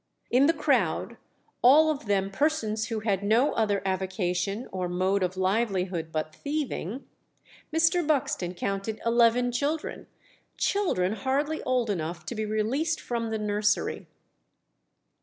In the crowd, all of them persons who had "no other avocation or mode of livelihood but thieving," Mr. Buxton counted eleven children children hardly old enough to be released from the nursery.